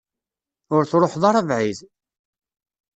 Ur truḥeḍ ara bɛid.